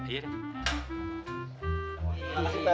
makasih banyak pak ji ya